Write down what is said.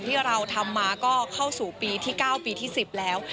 ที่เราทำมาก็เข้าสู่ปีที่๙ปีที่๑๐แล้ว